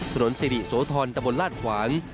ถนนสิริโสธรตะบนลาดขวาง